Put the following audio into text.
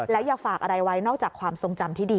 แล้วอย่าฝากอะไรไว้นอกจากความทรงจำที่ดี